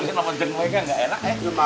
perempuan masa nganter perempuan